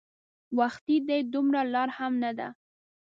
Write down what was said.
وختي دی دومره لار هم نه ده.